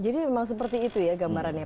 jadi memang seperti itu ya gambarannya